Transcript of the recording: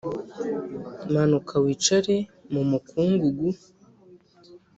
Manuka wicare mumukungugu